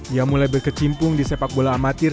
ia mulai berkecimpung di sepak bola amatir